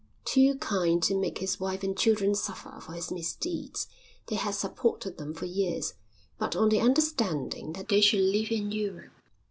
Too kind to make his wife and children suffer for his misdeeds, they had supported them for years, but on the understanding that they should live in Europe.